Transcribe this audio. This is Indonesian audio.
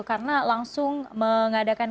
karena langsung mengadakan kampanye